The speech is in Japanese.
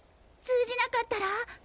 通じなかったら？